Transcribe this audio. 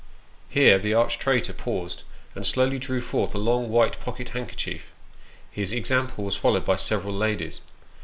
" Here the arch traitor paused, and slowly drew forth a long, white pocket handkerchief his example was followed by several ladies.